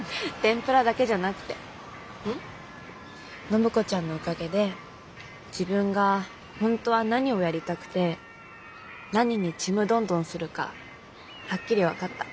暢子ちゃんのおかげで自分が本当は何をやりたくて何にちむどんどんするかはっきり分かった。